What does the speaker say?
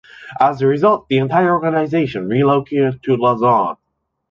As a result, the entire organization relocated to Lausanne.